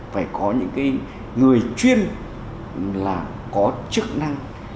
phải có những cái người chuyên là có chức năng